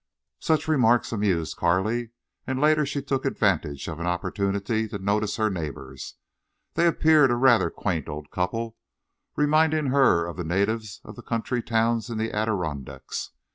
Such remarks amused Carley, and later she took advantage of an opportunity to notice her neighbors. They appeared a rather quaint old couple, reminding her of the natives of country towns in the Adirondacks.